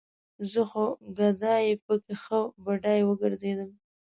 زه خو ګدايه پکې ښه بډايه وګرځېدم